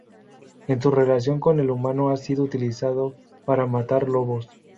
En su relación con el humano ha sido utilizado para matar lobos.